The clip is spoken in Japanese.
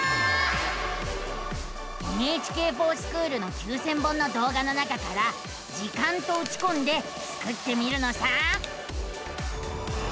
「ＮＨＫｆｏｒＳｃｈｏｏｌ」の９，０００本のどう画の中から「時間」とうちこんでスクってみるのさ！